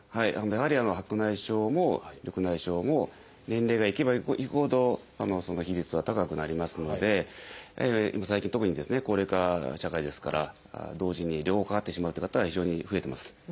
やはり白内障も緑内障も年齢がいけばいくほどその比率は高くなりますので最近特にですね高齢化社会ですから同時に両方かかってしまうという方が非常に増えてます。